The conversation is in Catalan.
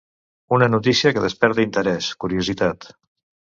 Una notícia que desperta interès, curiositat.